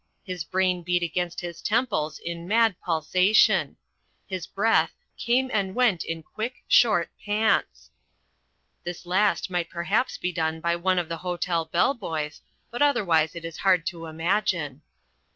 His brain beat against his temples in mad pulsation. His breath "came and went in quick, short pants." (This last might perhaps be done by one of the hotel bellboys, but otherwise it is hard to imagine.)